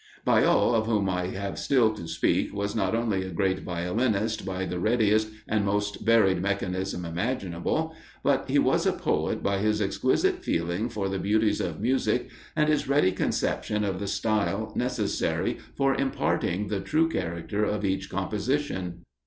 Baillot, of whom I have still to speak, was not only a great violinist by the readiest and most varied mechanism imaginable, but he was a poet by his exquisite feeling for the beauties of music and his ready conception of the style necessary for imparting the true character of each composition.